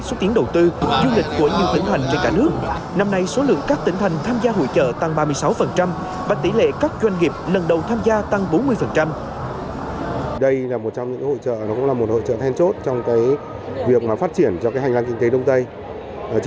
xúc tiến đầu tư du lịch của nhiều tỉnh thành trên cả nước